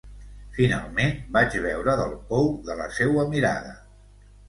Finalment, vaig beure del pou de la seua mirada.